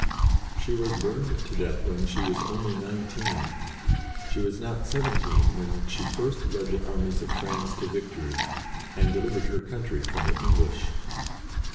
She was burned to death when she was only nineteen : she was not seven teen when she first led the armies of France to victory, and delivered her country from the English.